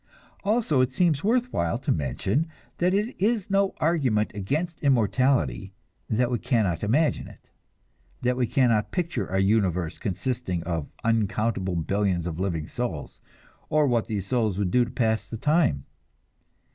Also, it seems worthwhile to mention that it is no argument against immortality that we cannot imagine it, that we cannot picture a universe consisting of uncountable billions of living souls, or what these souls would do to pass the time.